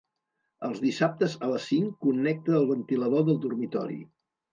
Els dissabtes a les cinc connecta el ventilador del dormitori.